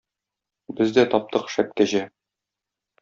Без дә таптык шәп кәҗә.